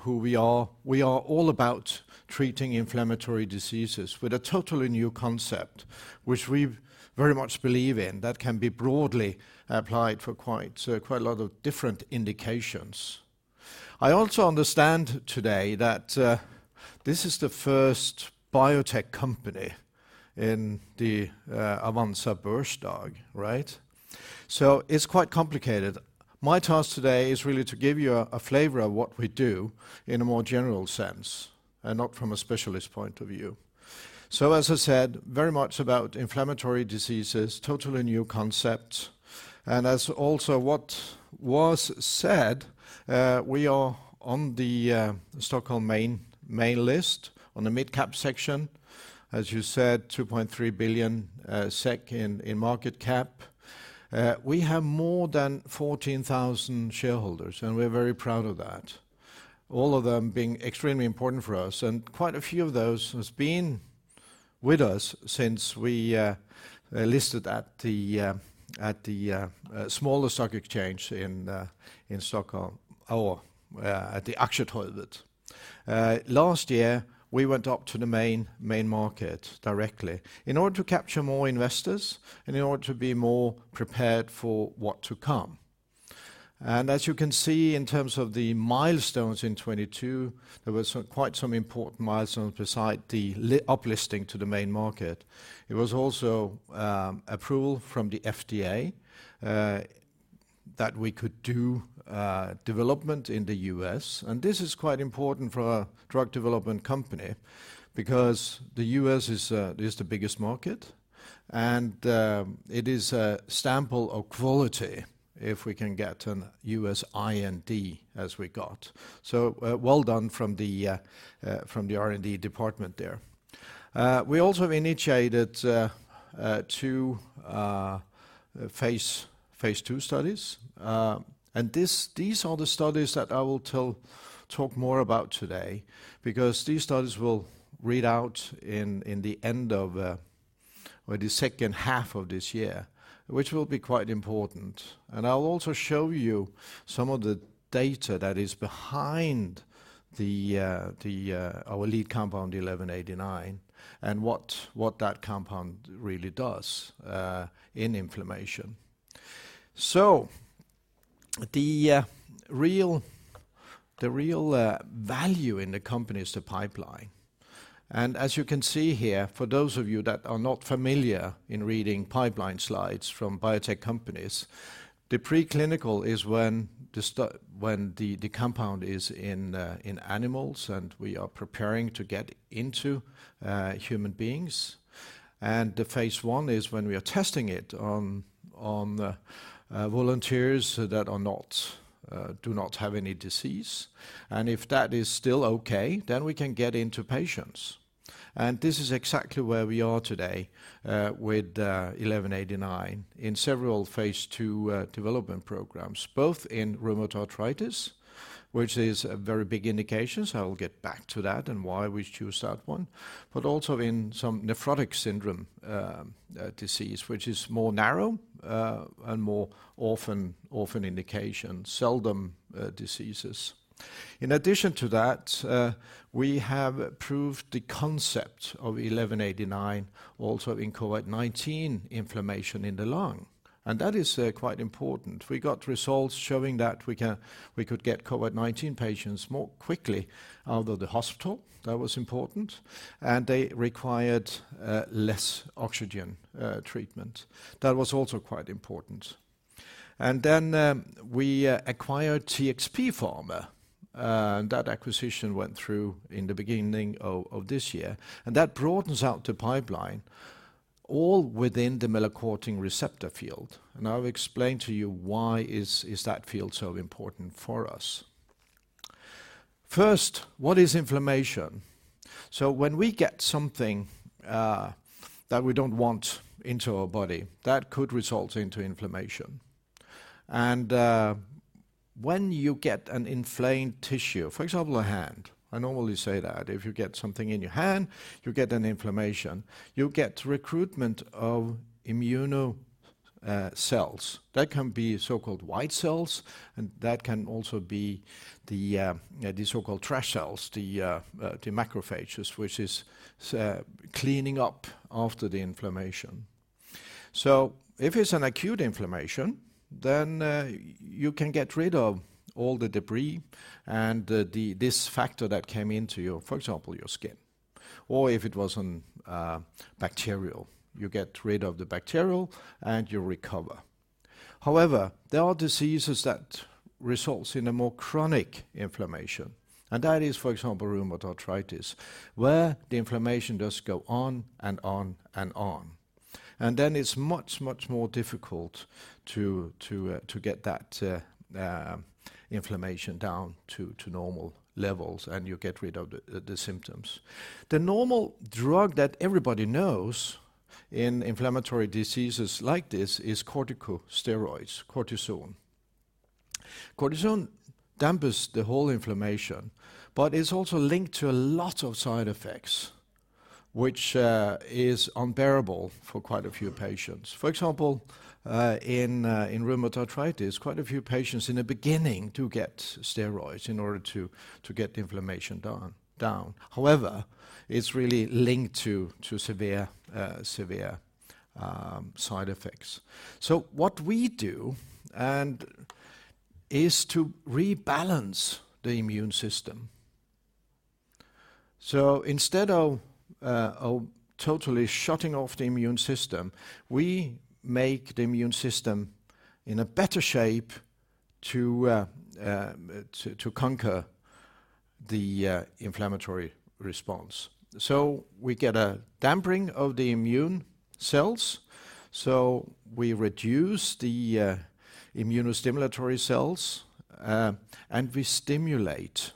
Who we are. We are all about treating inflammatory diseases with a totally new concept, which we very much believe in that can be broadly applied for quite a lot of different indications. I also understand today that this is the first biotech company in the Avanza Börsdag, right? It's quite complicated. My task today is really to give you a flavor of what we do in a more general sense and not from a specialist point of view. As I said, very much about inflammatory diseases, totally new concept. As also what was said, we are on the Stockholm main list on the mid-cap section, as you said, 2.3 billion SEK in market cap. We have more than 14,000 shareholders, and we're very proud of that. All of them being extremely important for us and quite a few of those has been with us since we listed at the at the smaller stock exchange in Stockholm or at the Aktietorget. Last year, we went up to the main market directly in order to capture more investors and in order to be more prepared for what to come. As you can see, in terms of the milestones in 2022, there was quite some important milestones beside the up listing to the main market. It was also approval from the FDA that we could do development in the U.S. This is quite important for a drug development company because the U.S. is the biggest market, and it is a sample of quality if we can get a U.S. IND as we got. Well done from the R&D department there. We also have initiated 2 phase 2 studies. These are the studies that I will talk more about today because these studies will read out in the end of or the second half of this year, which will be quite important. I'll also show you some of the data that is behind our lead compound, AP1189, and what that compound really does in inflammation. The real value in the company is the pipeline. As you can see here, for those of you that are not familiar in reading pipeline slides from biotech companies, the preclinical is when the compound is in animals, and we are preparing to get into human beings. The Phase 1 is when we are testing it on volunteers that do not have any disease. If that is still okay, then we can get into patients. This is exactly where we are today with AP1189 in several Phase 2 development programs, both in rheumatoid arthritis, which is a very big indication. I will get back to that and why we choose that one, but also in some nephrotic syndrome disease, which is more narrow and more often indication, seldom diseases. In addition to that, we have proved the concept of AP1189 also in COVID-19 inflammation in the lung, and that is quite important. We got results showing that we could get COVID-19 patients more quickly out of the hospital. That was important. They required less oxygen treatment. That was also quite important. We acquired TXP Pharma. That acquisition went through in the beginning of this year, and that broadens out the pipeline all within the melanocortin receptor field. I'll explain to you why is that field so important for us. First, what is inflammation? When we get something that we don't want into our body, that could result into inflammation. When you get an inflamed tissue, for example, a hand, I normally say that if you get something in your hand, you get an inflammation. You get recruitment of immuno cells. That can be so-called white cells, and that can also be the so-called trash cells, the macrophages, which is cleaning up after the inflammation. If it's an acute inflammation, then you can get rid of all the debris and this factor that came into your, for example, your skin, or if it was bacterial, you get rid of the bacterial, and you recover. There are diseases that results in a more chronic inflammation, and that is, for example, rheumatoid arthritis, where the inflammation does go on and on and on. It's much more difficult to get that inflammation down to normal levels and you get rid of the symptoms. The normal drug that everybody knows in inflammatory diseases like this is corticosteroids, Cortisone. Cortisone dampens the whole inflammation, but it's also linked to a lot of side effects. Which is unbearable for quite a few patients. For example, in rheumatoid arthritis, quite a few patients in the beginning do get steroids in order to get the inflammation down. It's really linked to severe side effects. What we do and is to rebalance the immune system. Instead of totally shutting off the immune system, we make the immune system in a better shape to conquer the inflammatory response. We get a dampening of the immune cells, we reduce the immunostimulatory cells, and we stimulate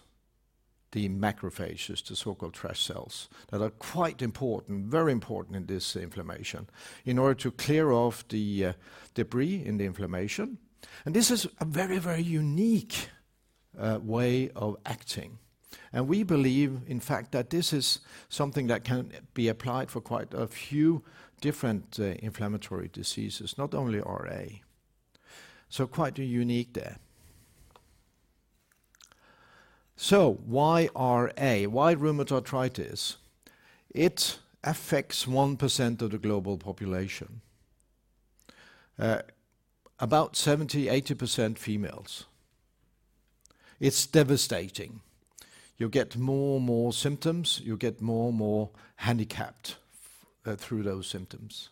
the macrophages, the so-called trash cells, that are quite important, very important in this inflammation in order to clear off the debris in the inflammation. This is a very, very unique way of acting. We believe, in fact, that this is something that can be applied for quite a few different inflammatory diseases, not only RA. Quite unique there. Why RA? Why rheumatoid arthritis? It affects 1% of the global population. About 70%-80% females. It's devastating. You get more and more symptoms. You get more and more handicapped through those symptoms.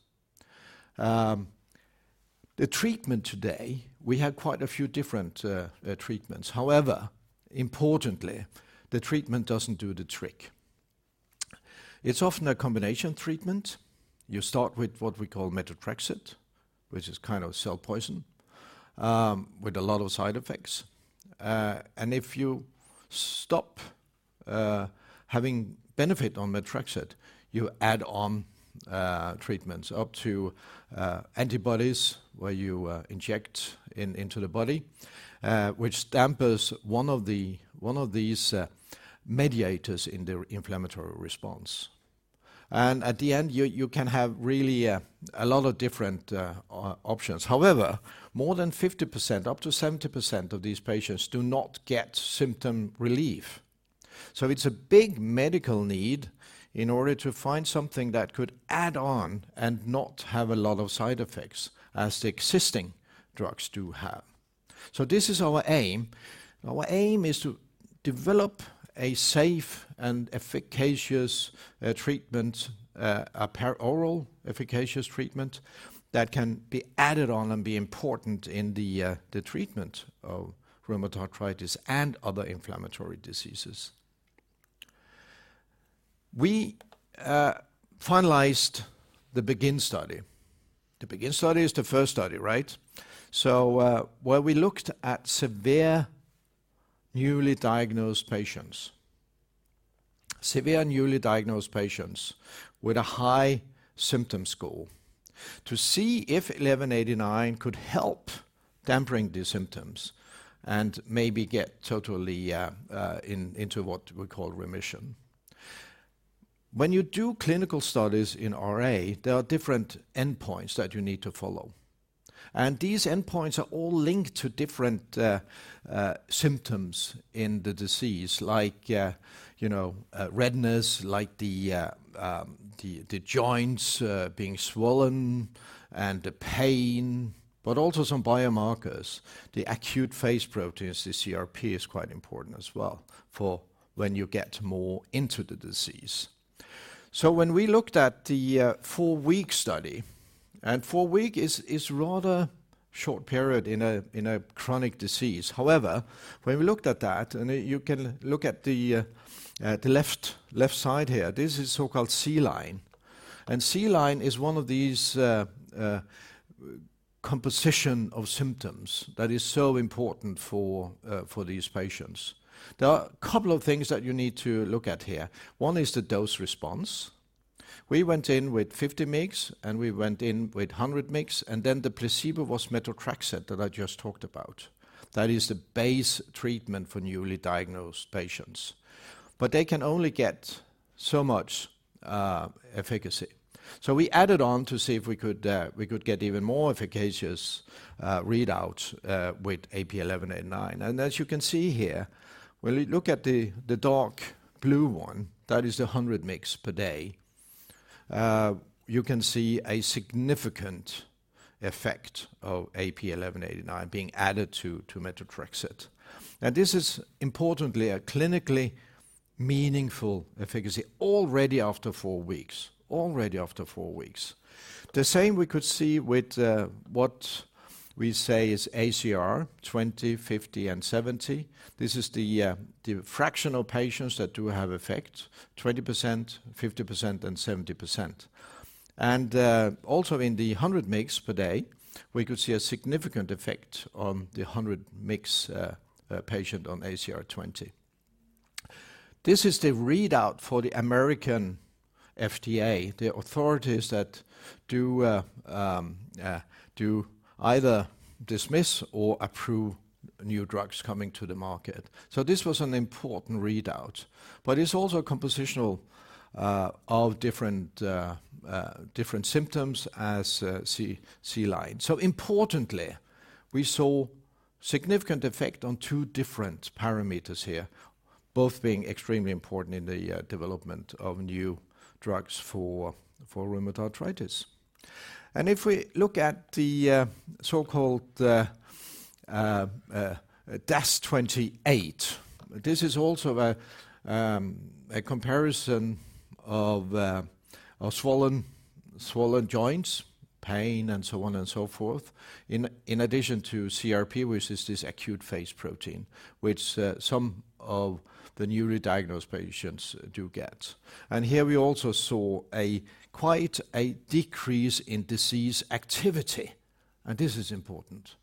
The treatment today, we have quite a few different treatments. However, importantly, the treatment doesn't do the trick. It's often a combination treatment. You start with what we call methotrexate, which is kind of cell poison, with a lot of side effects. If you stop having benefit on methotrexate, you add on treatments up to antibodies where you inject into the body, which dampers one of the, one of these mediators in the inflammatory response. At the end, you can have really a lot of different options. However, more than 50%, up to 70% of these patients do not get symptom relief. It's a big medical need in order to find something that could add on and not have a lot of side effects, as the existing drugs do have. This is our aim. Our aim is to develop a safe and efficacious treatment, a per oral efficacious treatment that can be added on and be important in the treatment of rheumatoid arthritis and other inflammatory diseases. We finalized the BEGIN study. The BEGIN study is the first study, right? Where we looked at severe newly diagnosed patients with a high symptom score to see if 1189 could help dampening the symptoms and maybe get totally into what we call remission. When you do clinical studies in RA, there are different endpoints that you need to follow. These endpoints are all linked to different symptoms in the disease, like, you know, redness, like the joints being swollen and the pain, but also some biomarkers. The acute phase proteins, the CRP is quite important as well for when you get more into the disease. When we looked at the four-week study, and four week is rather short period in a chronic disease. However, when we looked at that, and you can look at the left side here, this is so-called C line. C line is one of these composition of symptoms that is so important for these patients. There are a couple of things that you need to look at here. One is the dose response. We went in with 50 mgs, and we went in with 100 mgs, and then the placebo was methotrexate that I just talked about. That is the base treatment for newly diagnosed patients. They can only get so much efficacy. We added on to see if we could get even more efficacious readouts with AP1189. As you can see here, when you look at the dark blue one, that is the 100 mgs per day, you can see a significant effect of AP1189 being added to methotrexate. This is importantly a clinically meaningful efficacy already after four weeks, already after four weeks. The same we could see with what we say is ACR20, 50, and 70. This is the fraction of patients that do have effect: 20%, 50%, and 70%. Also in the 100 mgs per day, we could see a significant effect on the 100 mgs patient on ACR20. This is the readout for the American FDA, the authorities that do either dismiss or approve new drugs coming to the market. This was an important readout, but it's also a compositional of different symptoms as C-C-line. Importantly, we saw significant effect on two different parameters here, both being extremely important in the development of new drugs for rheumatoid arthritis. If we look at the so-called DAS28, this is also a comparison of swollen joints, pain, and so on and so forth, in addition to CRP, which is this acute phase protein, which some of the newly diagnosed patients do get. Here we also saw a quite a decrease in disease activity, and this is important,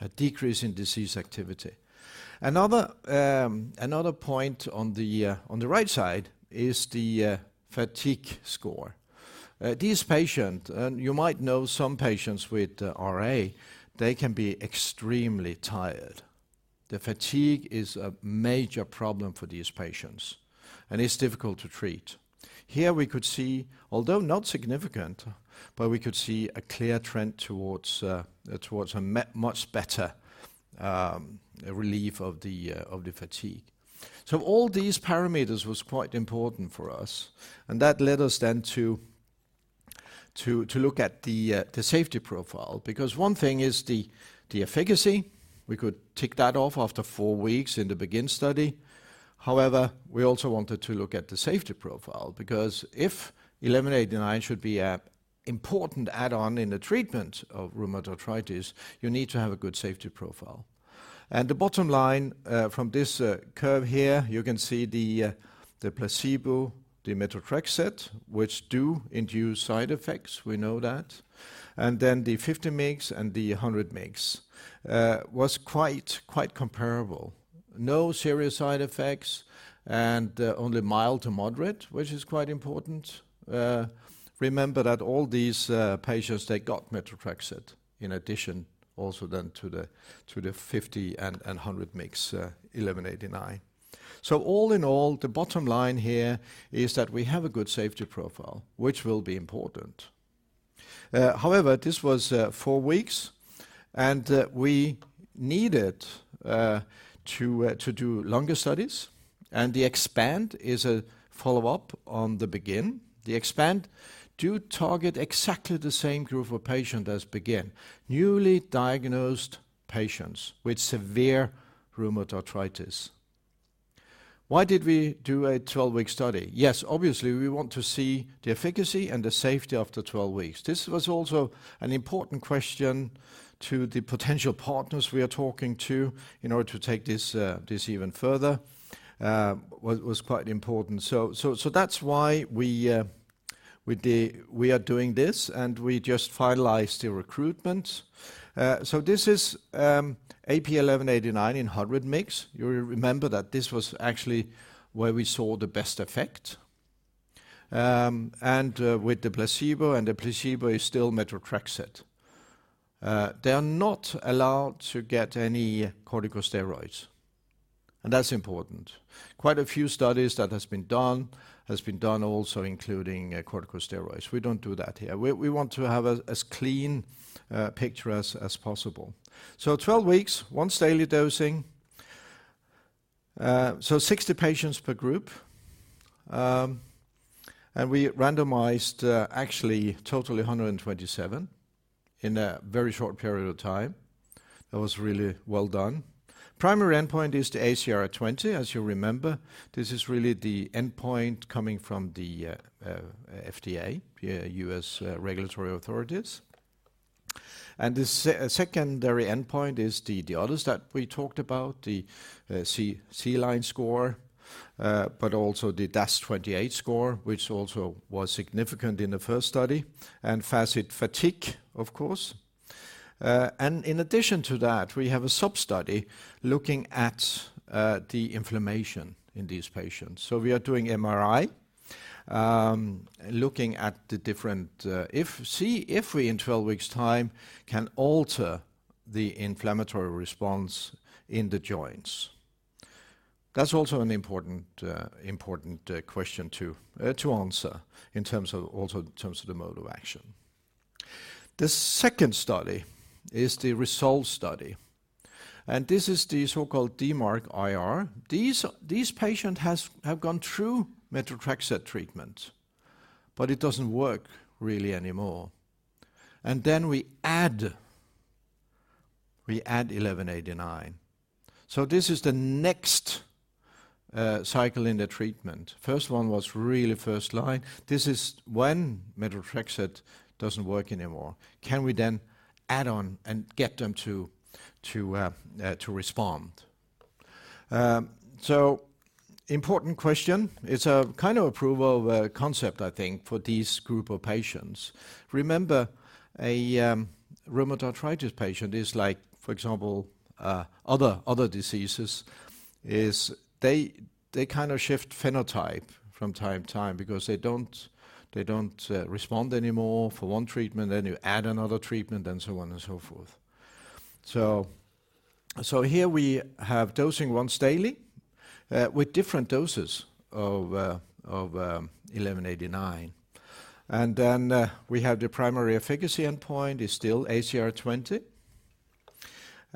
a decrease in disease activity. Another point on the right side is the fatigue score. These patient, and you might know some patients with RA, they can be extremely tired. The fatigue is a major problem for these patients, and it's difficult to treat. Here we could see, although not significant, but we could see a clear trend towards a much better relief of the fatigue. All these parameters was quite important for us, and that led us then to look at the safety profile. One thing is the efficacy, we could tick that off after 4 weeks in the BEGIN study. However, we also wanted to look at the safety profile, because if eleven eighty-nine should be a important add-on in the treatment of rheumatoid arthritis, you need to have a good safety profile. The bottom line from this curve here, you can see the placebo, the methotrexate, which do induce side effects, we know that. The 50 mg and the 100 mg was quite comparable. No serious side effects and only mild to moderate, which is quite important. Remember that all these patients, they got methotrexate in addition also then to the 50 and 100 mg AP1189. All in all, the bottom line here is that we have a good safety profile, which will be important. However, this was 4 weeks, and we needed to do longer studies, and the EXPAND is a follow-up on the BEGIN. The EXPAND do target exactly the same group of patient as BEGIN, newly diagnosed patients with severe rheumatoid arthritis. Why did we do a 12-week study? Yes, obviously, we want to see the efficacy and the safety after 12 weeks. This was also an important question to the potential partners we are talking to in order to take this this even further was quite important. That's why we are doing this, and we just finalized the recruitment. This is AP1189 in 100 mg. You remember that this was actually where we saw the best effect, and with the placebo, and the placebo is still methotrexate. They are not allowed to get any corticosteroids, and that's important. Quite a few studies that has been done, has been done also including corticosteroids. We don't do that here. We want to have a, as clean picture as possible. 12 weeks, once daily dosing, 60 patients per group, and we randomized actually totally 127 in a very short period of time. That was really well done. Primary endpoint is the ACR20. As you remember, this is really the endpoint coming from the FDA, the U.S. regulatory authorities. The secondary endpoint is the others that we talked about, the C-C-line score, but also the DAS28 score, which also was significant in the first study, and FACIT-Fatigue, of course. In addition to that, we have a sub-study looking at the inflammation in these patients. We are doing MRI, looking at the different, see if we in 12 weeks time can alter the inflammatory response in the joints. That's also an important important question to to answer also in terms of the mode of action. The second study is the RESOLVE study. This is the so-called DMARD-IR. These patient have gone through methotrexate treatment, but it doesn't work really anymore. Then we add 1189. This is the next cycle in the treatment. First one was really first line. This is when methotrexate doesn't work anymore. Can we then add on and get them to respond? Important question. It's a kind of approval of a concept, I think, for these group of patients. Remember, a rheumatoid arthritis patient is like, for example, other diseasesIs they kind of shift phenotype from time to time because they don't respond anymore for one treatment, then you add another treatment and so on and so forth. Here we have dosing once daily with different doses of AP1189. We have the primary efficacy endpoint is still ACR20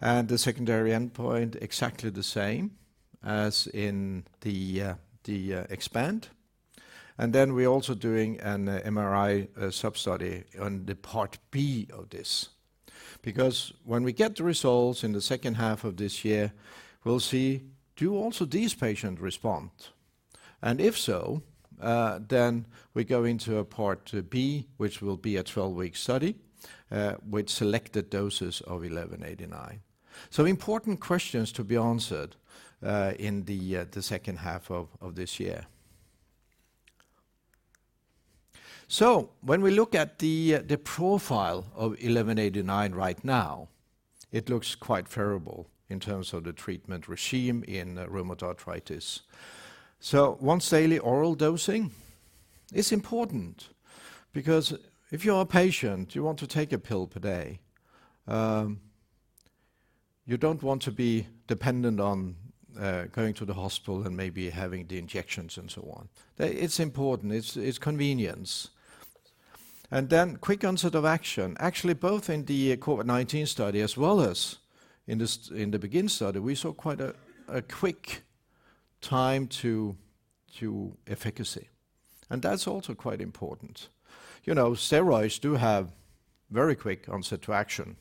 and the secondary endpoint exactly the same as in the EXPAND. We're also doing an MRI sub-study on the part B of this. When we get the results in the second half of this year, we'll see do also these patients respond? If so, then we go into a part B, which will be a 12-week study with selected doses of 1189. Important questions to be answered in the second half of this year. When we look at the profile of 1189 right now, it looks quite favorable in terms of the treatment regime in rheumatoid arthritis. Once-daily oral dosing is important because if you are a patient, you want to take a pill per day. You don't want to be dependent on going to the hospital and maybe having the injections and so on. It's important, it's convenience. Quick onset of action, actually, both in the COVID-19 study as well as in the BEGIN study, we saw quite a quick time to efficacy. That's also quite important. You know, steroids do have very quick onset to action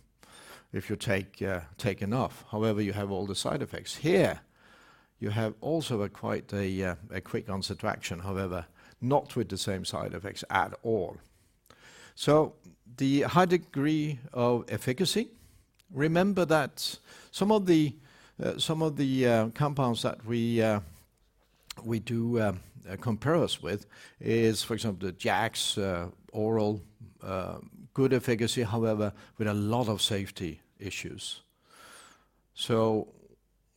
if you take enough. However, you have all the side effects. Here, you have also a quite a quick onset to action, however, not with the same side effects at all. The high degree of efficacy. Remember that some of the compounds that we do compare us with is, for example, the JAKs, oral, good efficacy, however, with a lot of safety issues.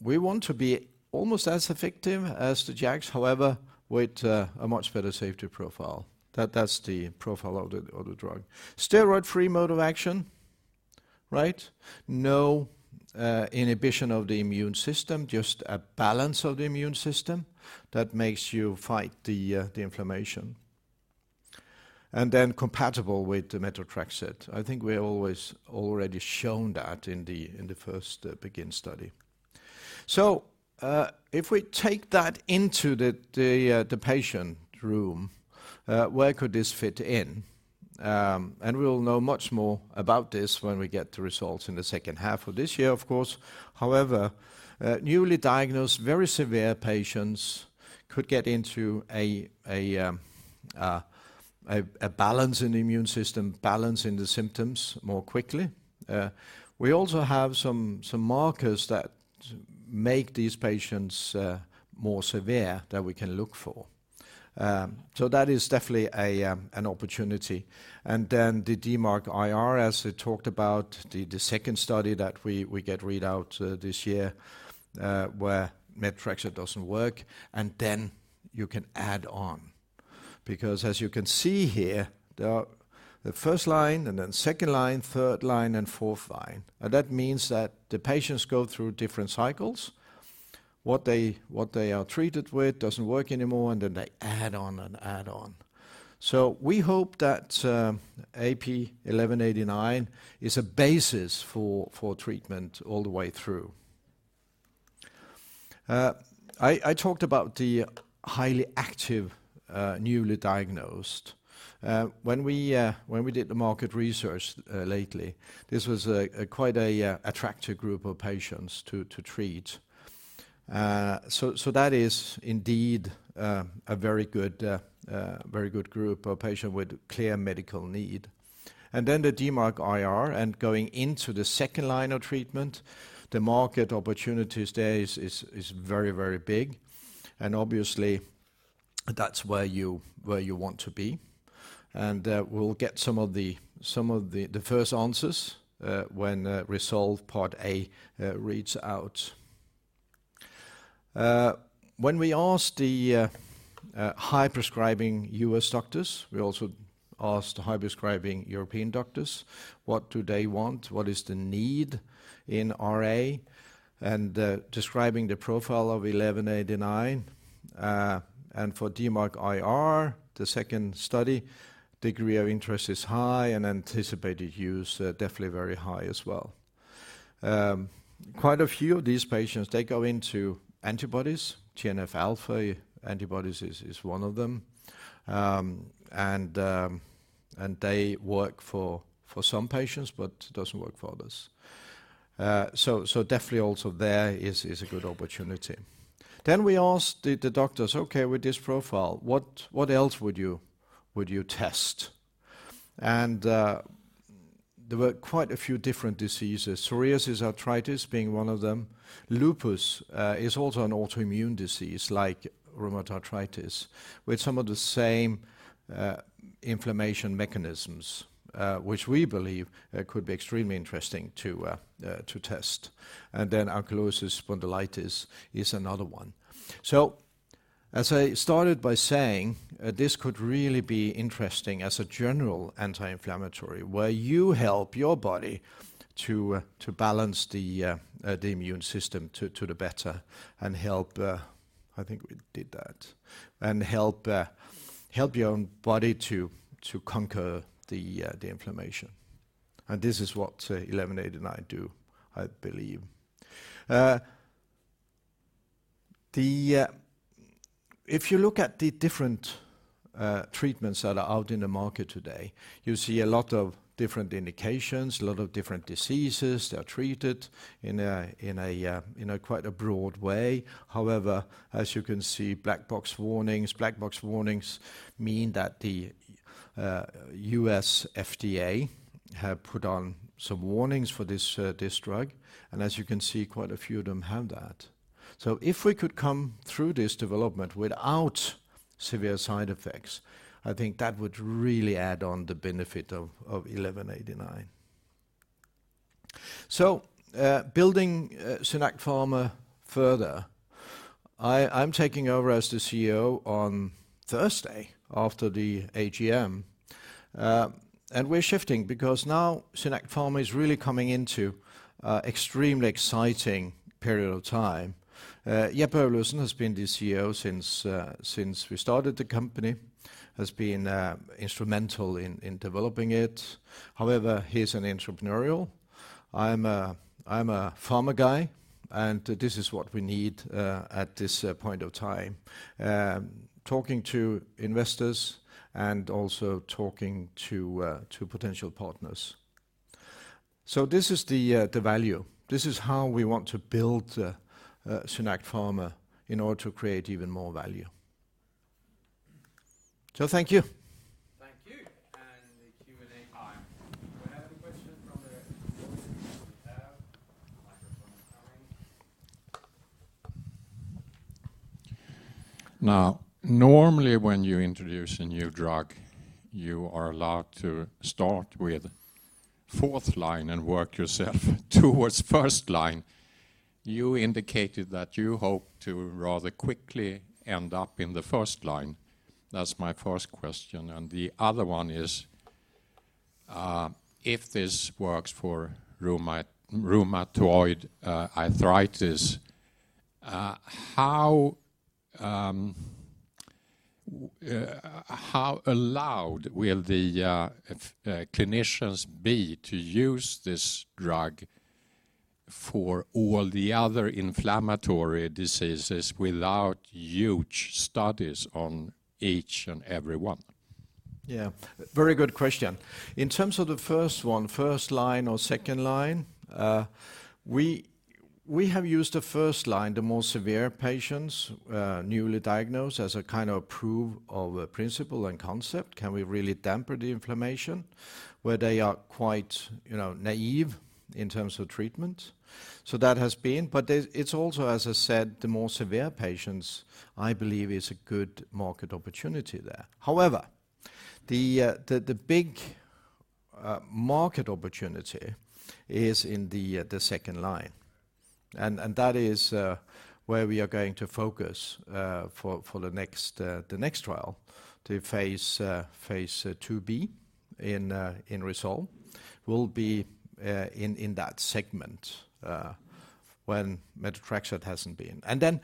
We want to be almost as effective as the JAKs, however, with a much better safety profile. That's the profile of the, of the drug. Steroid-free mode of action, right? No inhibition of the immune system, just a balance of the immune system that makes you fight the inflammation, and then compatible with the methotrexate. I think we always already shown that in the, in the first BEGIN study. If we take that into the patient room, where could this fit in? And we'll know much more about this when we get the results in the second half of this year, of course. Newly diagnosed, very severe patients could get into a balance in the immune system, balance in the symptoms more quickly. We also have some markers that make these patients more severe that we can look for. That is definitely an opportunity. The DMARD-IR, as we talked about, the second study that we get read out this year, where methotrexate doesn't work, and then you can add on. As you can see here, there are the 1st line and then 2nd line, 3rd line and 4th line. That means that the patients go through different cycles. What they are treated with doesn't work anymore, and then they add on. We hope that AP1189 is a basis for treatment all the way through. I talked about the highly active, newly diagnosed. When we did the market research lately, this was quite a attractive group of patients to treat. So that is indeed a very good group of patients with clear medical need. The DMARD-IR and going into the second line of treatment, the market opportunities there is very, very big. Obviously, that's where you want to be. We'll get some of the first answers when RESOLVE part A reads out. When we asked the high prescribing US doctors, we also asked high prescribing European doctors, what do they want? What is the need in RA? Describing the profile of AP1189 and for DMARD-IR, the second study, degree of interest is high and anticipated use definitely very high as well. Quite a few of these patients, they go into antibodies. TNF-alpha antibodies is one of them. They work for some patients, but doesn't work for others. So definitely also there is a good opportunity. Then we asked the doctors, "Okay, with this profile, what else would you test?" There were quite a few different diseases. Psoriatic arthritis being one of them. Lupus is also an autoimmune disease like rheumatoid arthritis with some of the same inflammation mechanisms, which we believe could be extremely interesting to test. Ankylosing spondylitis is another one. As I started by saying, this could really be interesting as a general anti-inflammatory, where you help your body to balance the immune system to the better and help. I think we did that. Help your own body to conquer the inflammation. This is what AP1189 do, I believe. If you look at the different treatments that are out in the market today, you see a lot of different indications, a lot of different diseases that are treated in a quite a broad way. However, as you can see, black box warnings. Black box warnings mean that the U.S. FDA have put on some warnings for this drug. As you can see, quite a few of them have that. If we could come through this development without severe side effects, I think that would really add on the benefit of AP1189. Building SynAct Pharma further, I'm taking over as the CEO on Thursday after the AGM. And we're shifting because now SynAct Pharma is really coming into a extremely exciting period of time. Jeppe Øvlesen has been the CEO since we started the company, has been instrumental in developing it. However, he's an entrepreneurial. I'm a pharma guy, and this is what we need at this point of time. Talking to investors and also talking to potential partners. This is the value. This is how we want to build SynAct Pharma in order to create even more value. Thank you. Thank you. The Q&A time. Do I have any questions from the audience? We have. Microphone is coming. Now, normally when you introduce a new drug, you are allowed to start with fourth line and work yourself towards first line. You indicated that you hope to rather quickly end up in the first line. That's my first question. The other one is, if this works for rheumatoid arthritis, how allowed will the clinicians be to use this drug for all the other inflammatory diseases without huge studies on each and every one? Yeah. Very good question. In terms of the first one, first line or second line, we have used the first line, the more severe patients, newly diagnosed as a kind of proof of a principle and concept. Can we really damper the inflammation where they are quite, you know, naive in terms of treatment? That has been. It's also, as I said, the more severe patients, I believe is a good market opportunity there. However, the big market opportunity is in the second line. That is where we are going to focus for the next, the next trial to phase 2B in Resolve will be in that segment when methotrexate hasn't been. Then,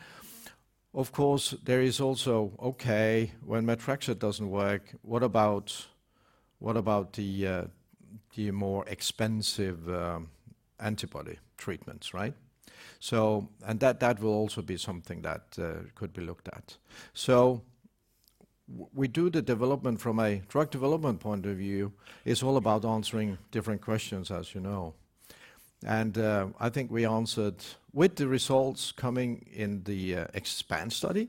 of course, there is also, okay, when methotrexate doesn't work, what about the more expensive antibody treatments, right? That will also be something that could be looked at. We do the development from a drug development point of view. It's all about answering different questions, as you know. I think we answered with the results coming in the EXPAND study.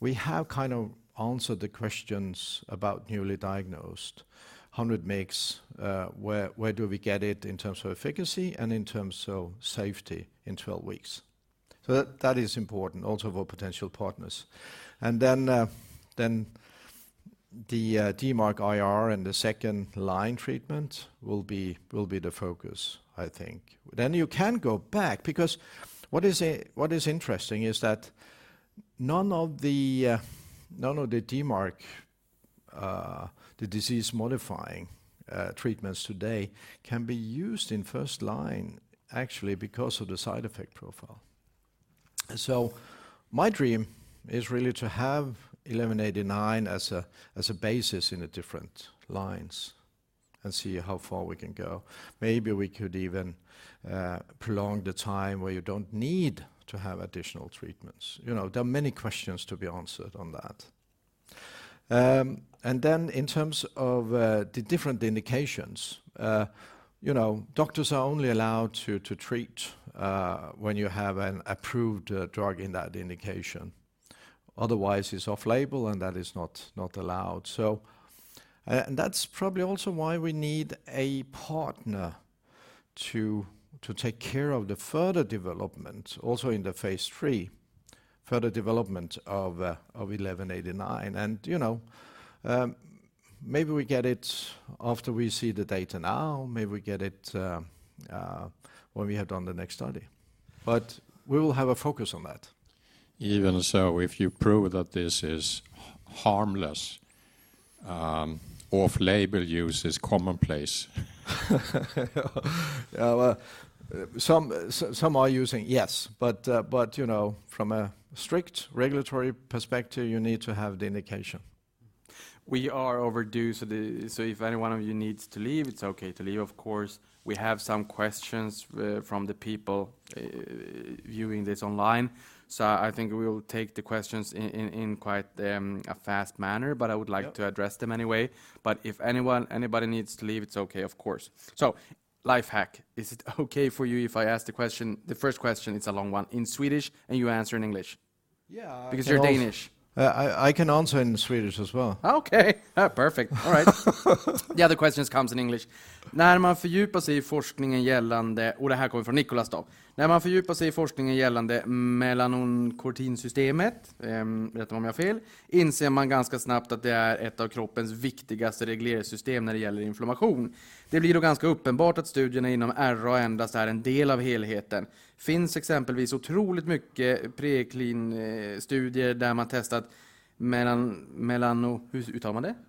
We have kind of answered the questions about newly diagnosed. 100 mgs, where do we get it in terms of efficacy and in terms of safety in 12 weeks? That is important also for potential partners. Then the DMARD-IR and the second-line treatment will be the focus, I think. You can go back because what is interesting is that none of the none of the DMARD, the disease-modifying treatments today can be used in first line actually because of the side effect profile. My dream is really to have AP1189 as a basis in the different lines and see how far we can go. Maybe we could even prolong the time where you don't need to have additional treatments. You know, there are many questions to be answered on that. In terms of the different indications, you know, doctors are only allowed to treat when you have an approved drug in that indication. Otherwise, it's off-label, and that is not allowed. That's probably also why we need a partner to take care of the further development also in the phase 3, further development of AP1189. You know, maybe we get it after we see the data now, maybe we get it when we have done the next study. We will have a focus on that. Even so, if you prove that this is harmless, off-label use is commonplace. Yeah, well, some are using, yes. You know, from a strict regulatory perspective, you need to have the indication. We are overdue. If any one of you needs to leave, it's okay to leave, of course. We have some questions from the people viewing this online. I think we will take the questions in quite a fast manner. I would like to address them anyway. If anyone, anybody needs to leave, it's okay, of course. Life hack. Is it okay for you if I ask the question, the first question, it's a long one, in Swedish, and you answer in English? Yeah. Because you're Danish. I can answer in Swedish as well. Okay. Perfect. All right. The other questions comes in English. När man fördjupar sig i forskningen gällande melanokortinsystemet, rätta mig om jag har fel, inser man ganska snabbt att det är ett av kroppens viktigaste regleringssystem när det gäller inflammation. Det blir då ganska uppenbart att studierna inom RA endast är en del av helheten. Finns exempelvis otroligt mycket preclin-studier där man testat melano. Hur uttalar man det?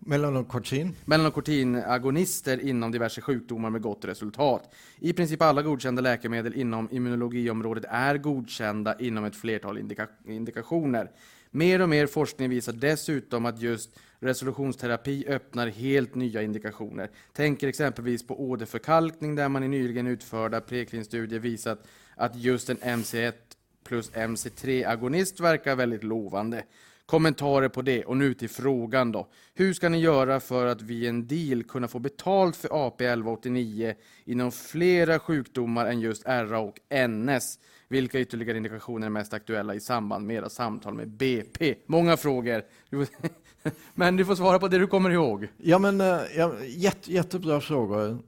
Melanocortin. Melanokortinagonister inom diverse sjukdomar med gott resultat. I princip alla godkända läkemedel inom immunologiområdet är godkända inom ett flertal indikationer. Mer och mer forskning visar dessutom att just resolutionsterapi öppnar helt nya indikationer. Tänker exempelvis på åderförkalkning, där man i nyligen utförda preclin-studier visat att just en MC1 plus MC3 agonist verkar väldigt lovande. Kommentarer på det. Nu till frågan då: Hur ska ni göra för att via en deal kunna få betalt för AP1189 inom flera sjukdomar än just RA och NS? Vilka ytterligare indikationer är mest aktuella i samband med era samtal med BP? Många frågor. Du får svara på det du kommer ihåg. Jättebra frågor.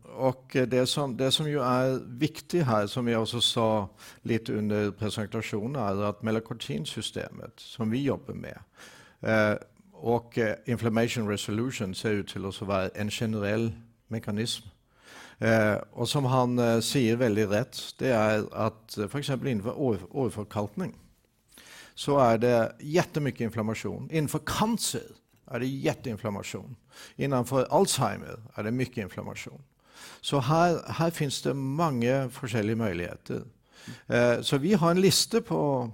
Det som ju är viktigt här, som jag också sa lite under presentationen här, att melanokortinsystemet som vi jobbar med, och inflammation resolution ser ut till att vara en generell mekanism. Som Hans säger väldigt rätt, det är att till exempel innanför åderförkalkning så är det jättemycket inflammation. Innanför cancer är det jätteinflammation. Innanför Alzheimer är det mycket inflammation. Här finns det många olika möjligheter. Vi har en lista på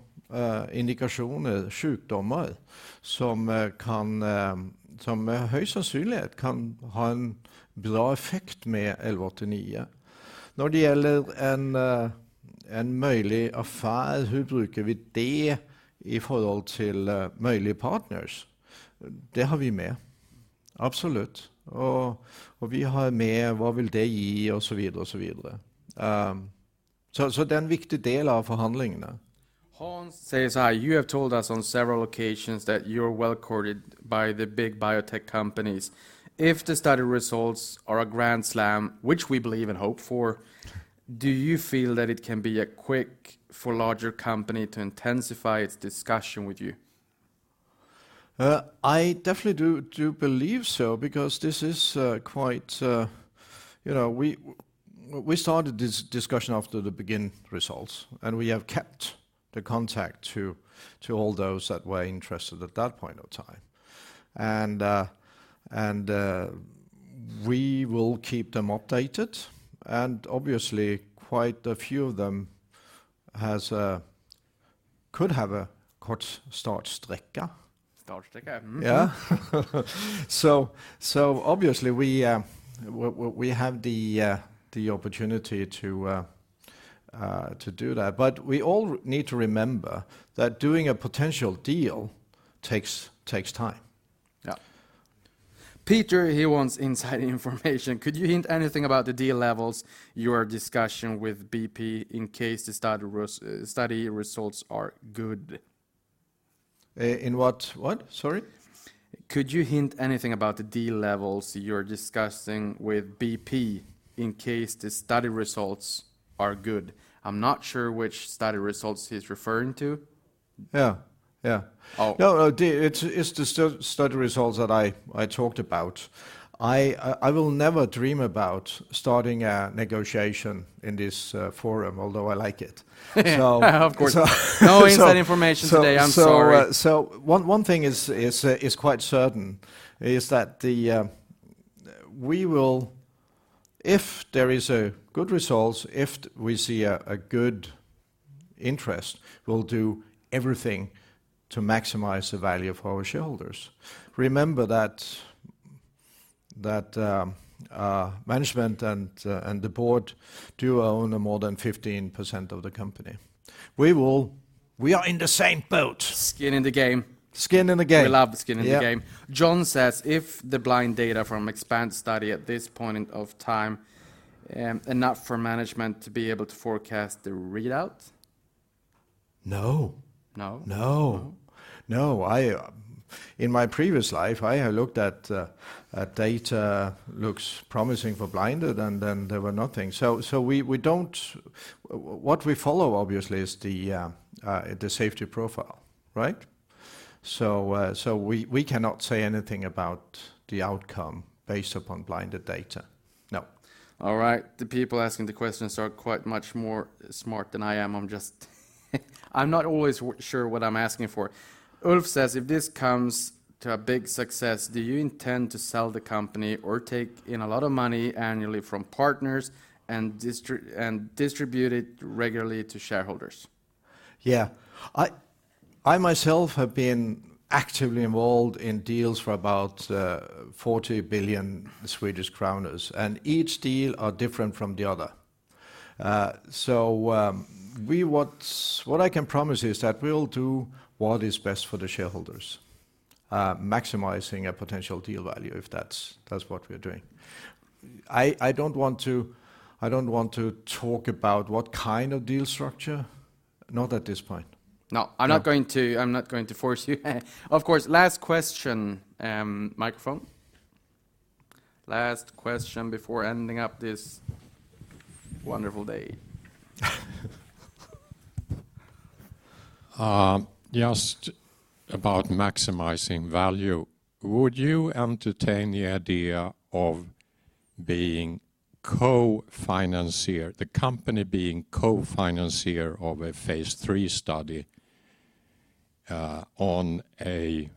indikationer, sjukdomar som kan, som med hög sannolikhet kan ha en bra effekt med AP1189. När det gäller en möjlig affär, hur bruker vi det i förhållande till möjliga partners? Det har vi med. Absolut. Och vi har med vad vill det ge och så vidare. Så det är en viktig del av förhandlingarna. Hi, you have told us on several occasions that you're well-courted by the big biotech companies. If the study results are a grand slam, which we believe and hope for, do you feel that it can be a quick for larger company to intensify its discussion with you? I definitely do believe so because this is quite... You know, we started this discussion after the BEGIN results, and we have kept the contact to all those that were interested at that point of time. We will keep them updated, and obviously quite a few of them has could have a kort startsträcka. Startsträcka. Yeah. Obviously we have the opportunity to do that. We all need to remember that doing a potential deal takes time. Yeah. Peter, he wants inside information. "Could you hint anything about the deal levels you are discussion with BP in case the study results are good? In what? Sorry. Could you hint anything about the deal levels you are discussing with BP in case the study results are good?" I'm not sure which study results he's referring to. Yeah, yeah. Oh. No, the study results that I talked about. I will never dream about starting a negotiation in this forum, although I like it. Of course. So, so, so- No inside information today. I'm sorry. One thing is quite certain, is that if there is a good results, if we see a good interest, we'll do everything to maximize the value of our shareholders. Remember that management and the board do own more than 15% of the company. We are in the same boat. Skin in the game. Skin in the game. We love the skin in the game. Yeah. If the blind data from EXPAND study at this point in of time, enough for management to be able to forecast the readout? No. No? No. No? No. I, in my previous life, I have looked at data looks promising for blinded, and then there were nothing. What we follow, obviously, is the safety profile, right? We cannot say anything about the outcome based upon blinded data. No. All right. The people asking the questions are quite much more smart than I am. I'm just I'm not always sure what I'm asking for. Ulf says, "If this comes to a big success, do you intend to sell the company or take in a lot of money annually from partners and distribute it regularly to shareholders? Yeah. I myself have been actively involved in deals for about 40 billion Swedish kronor, Each deal are different from the other. We what I can promise is that we'll do what is best for the shareholders, maximizing a potential deal value if that's what we're doing. I don't want to talk about what kind of deal structure, not at this point. No, I'm not going to, I'm not going to force you. Of course. Last question. Microphone. Last question before ending up this wonderful day. Just about maximizing value, would you entertain the idea of being co-financier, the company being co-financier of a phase 3 study, on a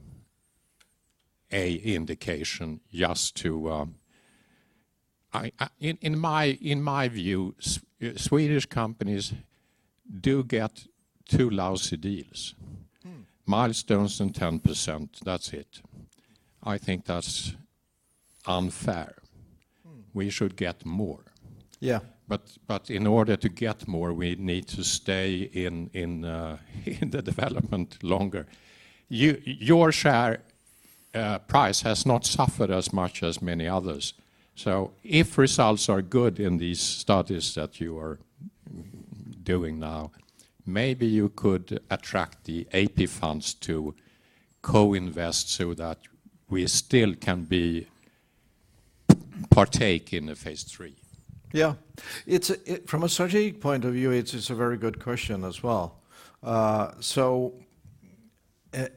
indication just to? In my view, Swedish companies do get 2 lousy deals. Mm. Milestones and 10%, that's it. I think that's unfair. Mm. We should get more. Yeah. In order to get more, we need to stay in the development longer. Your share price has not suffered as much as many others. If results are good in these studies that you are doing now, maybe you could attract the AP Funds to co-invest so that we still can be partake in the Phase 3. Yeah. It's From a strategic point of view, it's a very good question as well.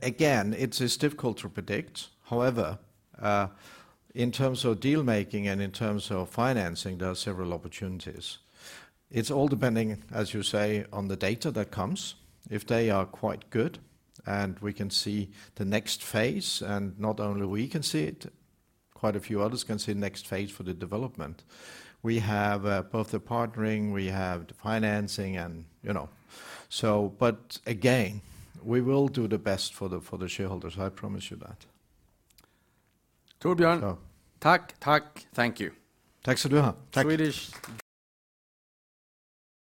Again, it's as difficult to predict. However, in terms of deal-making and in terms of financing, there are several opportunities. It's all depending, as you say, on the data that comes. If they are quite good, and we can see the next phase, and not only we can see it, quite a few others can see next phase for the development. We have, both the partnering, we have the financing and, you know. Again, we will do the best for the, for the shareholders, I promise you that. Torbjörn. So. Tack, tack. Thank you. Thanks for doing that. Tack. Swedish